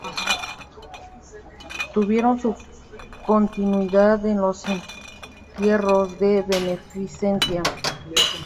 Tuvieron su continuidad en los entierros de beneficencia.